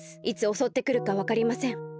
いつおそってくるかわかりません。